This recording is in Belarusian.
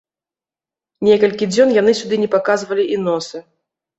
Некалькі дзён яны сюды не паказвалі і носа.